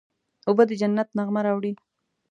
اوبه د جنت نغمه راوړي.